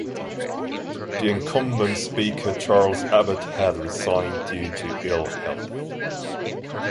The incumbent Speaker Charles Abbot had resigned due to ill health.